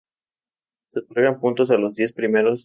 Se otorgan puntos a los diez primeros clasificados.